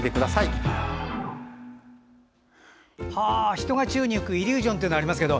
人が宙に浮くイリュージョンというのがありますけど